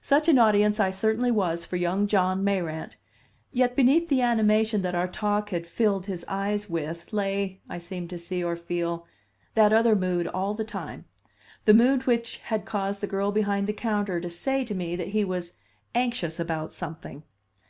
Such an audience I certainly was for young John Mayrant, yet beneath the animation that our talk had filled his eyes with lay (I seemed to see or feel) that other mood all the time, the mood which had caused the girl behind the counter to say to me that he was "anxious about something."